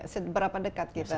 seberapa dekat kita